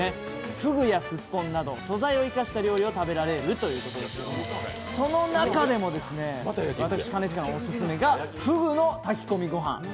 ふぐやすっぽんなど素材を生かした料理が食べられるということで、その中でも私、兼近のオススメがふぐの炊き込みごはん。